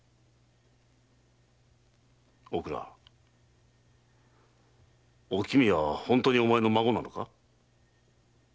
おくらおきみは本当にお前の孫なのか？